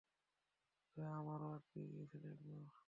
তবে আমারও আটকে গিয়েছিল একবার।